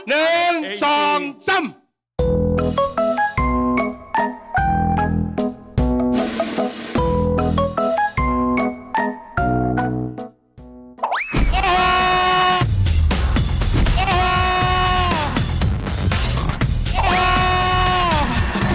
หนึ่งสองสาม